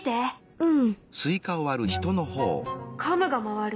うん。